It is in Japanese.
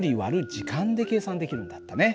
時間で計算できるんだったね。